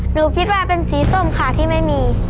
หนูคิดว่าเป็นสีส้มค่ะที่ไม่มี